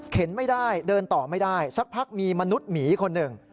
ไม่ได้เดินต่อไม่ได้สักพักมีมนุษย์หมีคนหนึ่ง